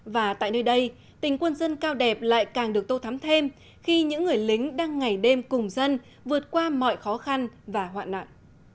và tại nơi đây tình quân dân cao đẹp lại càng được tô thắm thêm khi những người lính đang ngày đêm cùng dân vượt qua mọi khó khăn và hoạn nạn